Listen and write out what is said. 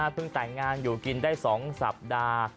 แต่งงานอยู่กินได้๒สัปดาห์